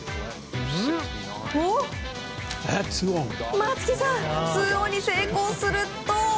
松木さん２オンに成功すると。